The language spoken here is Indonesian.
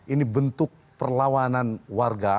ini bentuk perlawanan warga